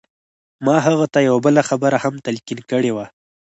ما هغه ته يوه بله خبره هم تلقين کړې وه.